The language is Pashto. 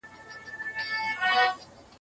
چا پوښتنه ورنه وكړله نادانه